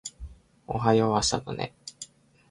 おはよう朝だね